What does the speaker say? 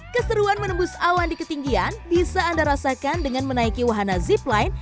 keseruan menembus awan di ketinggian bisa anda rasakan dengan menaiki wahana zipline